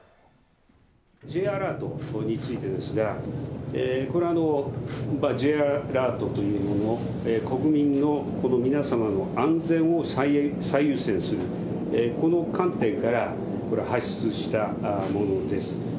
Ｊアラートについてですが、これ、Ｊアラートというもの、国民の皆様の安全を最優先する、この観点から、これ、発出したものです。